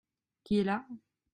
Qui est là ?